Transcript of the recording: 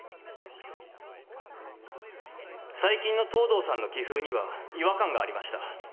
最近の藤堂さんの棋風には違和感がありました。